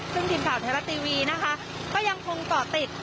ซึ่งทีมข่าวเทลาทีวีนะคะก็ยังคงต่อติด